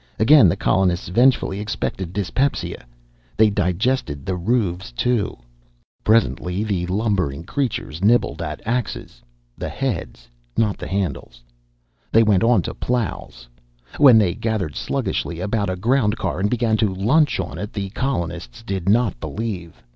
Again the colonists vengefully expected dyspepsia. They digested the roofs, too. Presently the lumbering creatures nibbled at axes the heads, not the handles. They went on to the plows. When they gathered sluggishly about a ground car and began to lunch on it, the colonists did not believe.